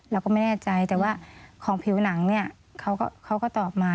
เราก็ไม่แน่ใจแต่ว่าของผิวหนังเนี่ยเขาก็ตอบมา